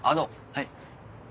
はい。